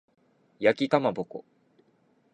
焼きかまぼこ